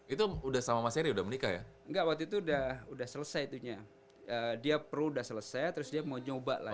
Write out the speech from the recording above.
itu udah sama mas eri udah menikah ya enggak waktu itu udah udah selesai tuhnya dia pro udah selesai terus dia mau nyoba lah